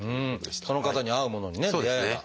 その方に合うものにね出会えば。